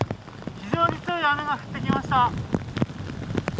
非常に強い雨が降ってきました。